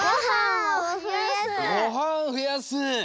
ごはんをふやす！